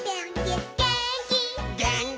「げーんき」